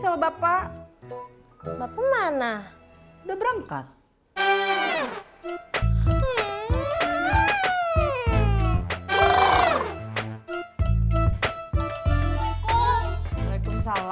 akan merupakan habis kegiatan dilalui brand yang diperkenankan oleh bank pemberontak